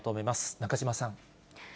中島さん。